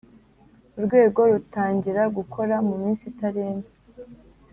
Urwego rutangira gukora mu minsi itarenze